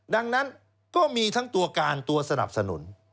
ดังนั้นก็มีทั้งตัวการตัวสนับสนุน